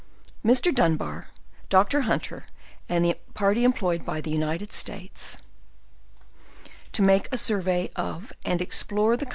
Mr. Dunbar, Doctor Hunter, and the party employed by the United States to make a survey of, and explore the coun LEWIS AND CLARKE.